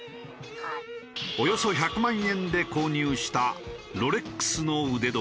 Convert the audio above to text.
およそ１００万円で購入したロレックスの腕時計。